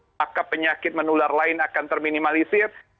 apakah penyakit menular lain akan terminimalisir